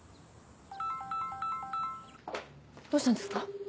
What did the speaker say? どうしたんですか？